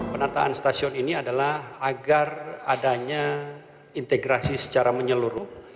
penataan stasiun ini adalah agar adanya integrasi secara menyeluruh